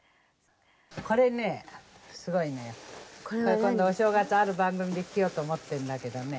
これね、すごいのよ、今度、お正月、ある番組で着ようと思ってるんだけどね。